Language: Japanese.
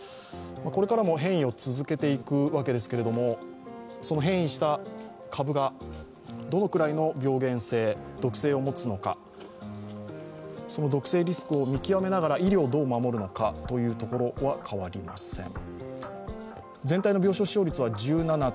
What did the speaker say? これからも変異を続けていくわけですけれどもその変異した株がどのくらいの病原性、毒性を持つのか、その毒性リスクを見極めながら医療をどう守るのかというところは変わりません。